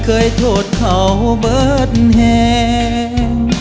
ไอเคยโทษเขาบอสแหง